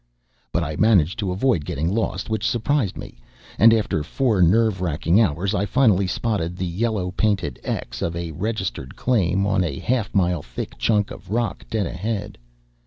But I managed to avoid getting lost, which surprised me, and after four nerve wracking hours I finally spotted the yellow painted X of a registered claim on a half mile thick chunk of rock dead ahead.